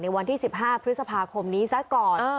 ในวันที่สิบห้าพฤศภาคมนี้สักก่อนเออ